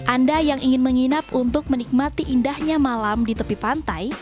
anda yang ingin menginap untuk menikmati indahnya malam di tepi pantai